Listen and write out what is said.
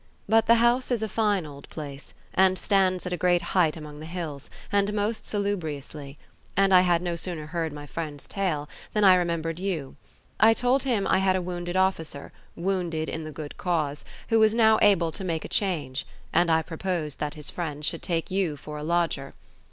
But the house is a fine old place, and stands at a great height among the hills, and most salubriously; and I had no sooner heard my friend's tale, than I remembered you. I told him I had a wounded officer, wounded in the good cause, who was now able to make a change; and I proposed that his friends should take you for a lodger.